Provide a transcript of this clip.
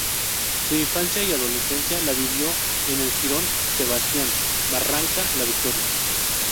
Su infancia y adolescencia la vivió en el jirón Sebastián Barranca, La Victoria.